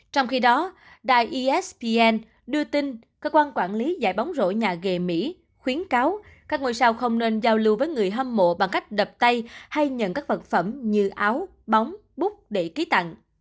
trong khi đó đài espn đưa tin cơ quan quản lý giải bóng rổi nhà gề mỹ khuyến cáo các ngôi sao không nên giao lưu với người hâm mộ bằng cách đập tay hay nhận các vật phẩm như áo bóng bút để ký tặng